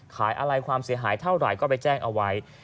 ขายอะไรความเสียหายเท่าไหร่ก็ไปแจ้งเอาไว้